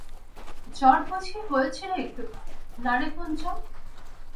জ্বর বুঝি হয়েছিল একটু কাল, না রে কুঞ্জ?